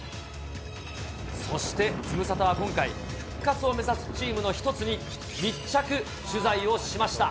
そしてズムサタは今回、復活を目指すチームの一つに密着取材をしました。